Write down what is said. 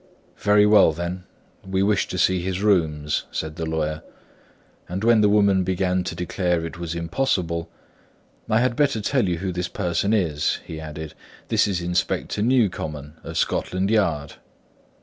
"Very well, then, we wish to see his rooms," said the lawyer; and when the woman began to declare it was impossible, "I had better tell you who this person is," he added. "This is Inspector Newcomen of Scotland Yard."